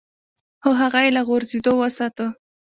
خو هغه يې له غورځېدو وساته.